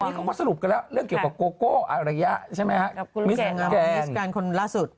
ตอนนี้เค้าพอสรุปไหมเนี่ยเรื่องเกี่ยวกับโกโกอะไระใช่ไหมครับ